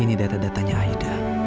ini data datanya aida